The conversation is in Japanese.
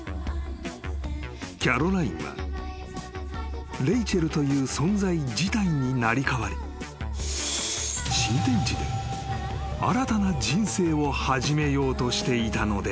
［キャロラインはレイチェルという存在自体に成り代わり新天地で新たな人生を始めようとしていたのである］